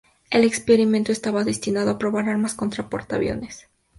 El experimento estaba destinado a probar armas contra portaaviones.